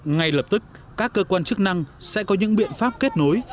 ngay lập tức các cơ quan chức năng sẽ có những biện pháp kết nối